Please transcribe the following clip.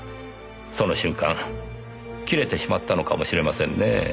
その瞬間切れてしまったのかもしれませんねえ。